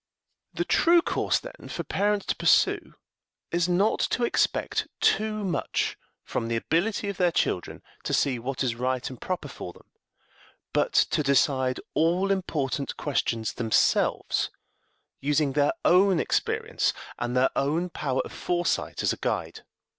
The true course, then, for parents to pursue is not to expect too much from the ability of their children to see what is right and proper for them, but to decide all important questions themselves, using their own experience and their own power of foresight as their guide.